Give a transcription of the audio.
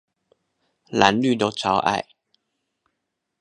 藍綠都超愛